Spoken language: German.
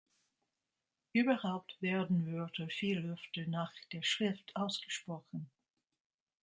Überhaupt werden Wörter viel öfter nach der Schrift ausgesprochen.